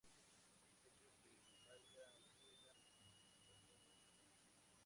Actualmente se halla unida a Libertador San Martín.